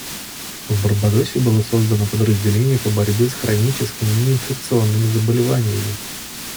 В Барбадосе было создано подразделение по борьбе с хроническими неинфекционными заболеваниями.